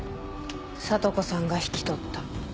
聡子さんが引き取った。